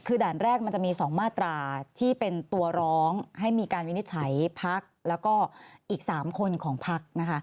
คือด่านแรกมันจะมี๒มาตราที่เป็นตัวร้องให้มีการวินิจฉัยพักแล้วก็อีก๓คนของพักนะคะ